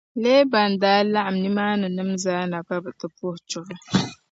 Leeban daa laɣim nimaaninim’ zaa na ka bɛ ti puhi chuɣu.